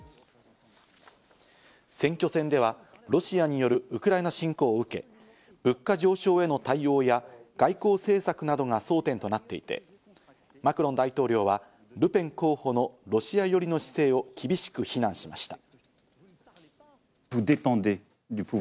選挙戦ではロシアによるウクライナ侵攻を受け、物価上昇への対応や、外交政策などが争点となっていて、マクロン大統領はルペン候補のロシア寄りの姿勢を厳しく非難しました。